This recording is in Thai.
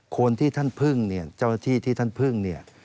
คนที่ท่านพึ่งเนี่ยเจ้าหน้าที่ที่ท่านพึ่งเนี่ย